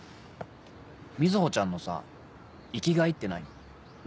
瑞穂ちゃんのさ生きがいって何？